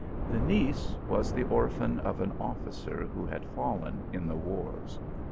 The niece was the orphan of an officer who had fallen in the wars.